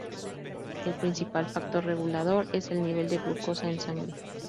El principal factor regulador es el nivel de glucosa en sangre.